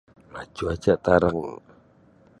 um Cuaca' tarang.